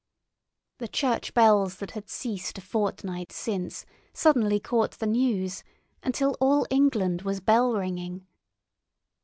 The church bells that had ceased a fortnight since suddenly caught the news, until all England was bell ringing.